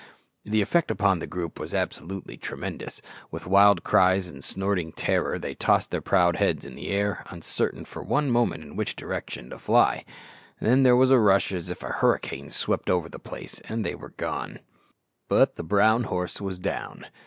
The effect upon the group was absolutely tremendous. With wild cries and snorting terror they tossed their proud heads in the air, uncertain for one moment in which direction to fly; then there was a rush as if a hurricane swept over the place, and they were gone. But the brown horse was down.